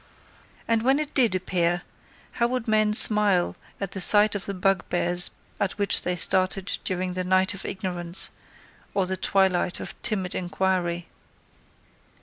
And when it did appear, how would men smile at the sight of the bugbears at which they started during the night of ignorance, or the twilight of timid inquiry.